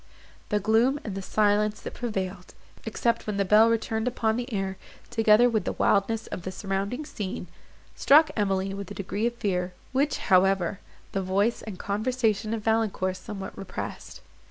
The gloom and the silence that prevailed, except when the bell returned upon the air, together with the wildness of the surrounding scene, struck Emily with a degree of fear, which, however, the voice and conversation of Valancourt somewhat repressed.